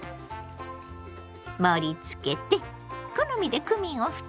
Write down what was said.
盛りつけて好みでクミンをふってね。